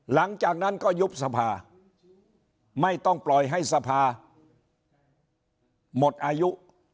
หลังจากนั้นก็ยุบสภาไม่ต้องปล่อยให้สภาหมดอายุ